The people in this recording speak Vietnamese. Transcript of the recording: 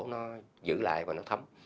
nó giữ lại và nó thấm